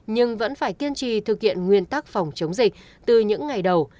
nhưng vẫn phải kiên trì thực hiện nguyên tắc phòng chống dịch từ những ngày đầu